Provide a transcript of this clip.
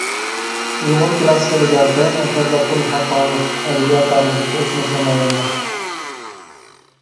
ئۇيغۇر كىلاسسىك ئەدەبىياتى ‹ ‹ئەتەبەتۇلھەقايىق› › ئەدەبىيات تارىخىدىكى ئۆچمەس نامايەندە.